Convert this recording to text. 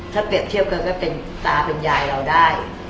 ถ้าเปรียบเทียบกันก็เป็นตาเป็นยายเราได้